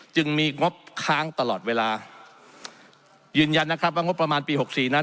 จึงมีงบค้างตลอดเวลายืนยันนะครับว่างบประมาณปีหกสี่นั้น